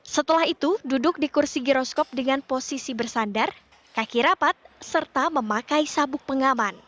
setelah itu duduk di kursi giroskop dengan posisi bersandar kaki rapat serta memakai sabuk pengaman